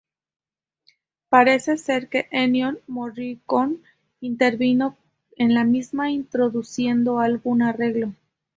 Parece ser que Ennio Morricone intervino en la misma introduciendo algún arreglo.